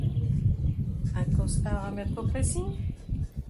Un costard à mettre au pressing ?